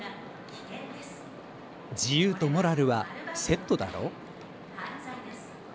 自由とモラルはセットだろ。